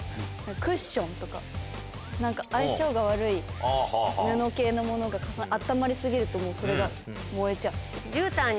クッションとか、なんか相性が悪い布系のものが温まり過ぎると、もうそれが燃えちじゅうたんに